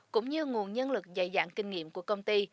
cũng như nguồn nhân lực dày dạng kinh nghiệm của công ty